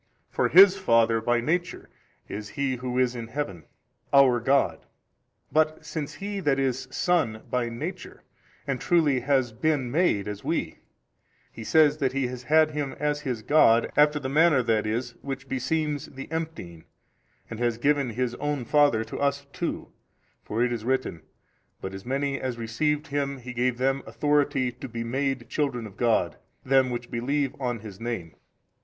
For His Father by Nature 8 is He Who is in Heaven, our God; but since He that is SON by Nature and truly has BEEN MADE as we, He says that He has had Him as His God, after the manner that is which beseems the emptying, and has given His own Father to us too; for it is written, But as many as received Him He gave them authority to BE MADE children of God, them which believe on His Name.